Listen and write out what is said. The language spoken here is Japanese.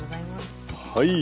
はい。